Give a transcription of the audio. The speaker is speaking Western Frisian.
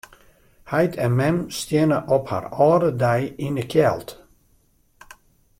Heit en mem steane op har âlde dei yn 'e kjeld.